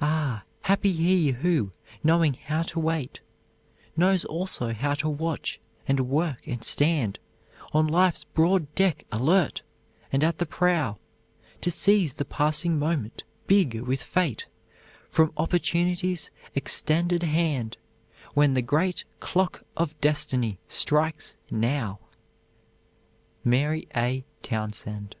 Ah, happy he who, knowing how to wait, Knows also how to watch and work and stand On Life's broad deck alert, and at the prow To seize the passing moment, big with fate, From Opportunity's extended hand, When the great clock of destiny strikes Now! MARY A. TOWNSEND.